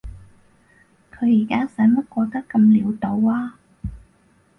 佢而家使乜過得咁潦倒啊？